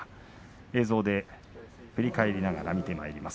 映像で振り返りながら見てみます。